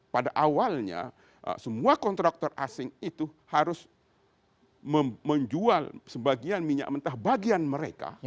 pada awalnya semua kontraktor asing itu harus menjual sebagian minyak mentah bagian mereka